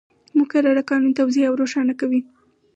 مقرره قانون توضیح او روښانه کوي.